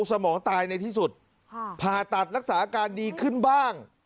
สมองตายในที่สุดผ่าตัดรักษาอาการดีขึ้นบ้าง